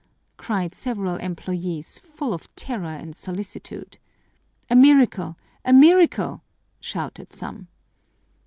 cried several employees, full of terror and solicitude. "A miracle! A miracle!" shouted some.